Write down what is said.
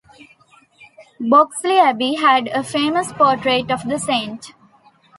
Boxley Abbey had a famous portrait of the saint.